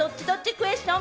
クエスチョン。